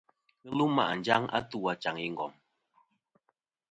Ghɨ lum ma' njaŋ a tu achaŋ i ngom.